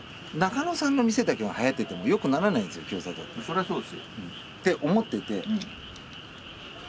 そりゃそうですよ。って思っててそうね。